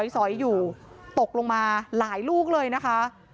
สอยอยู่ตกลงมาหลายลูกเลยนะคะ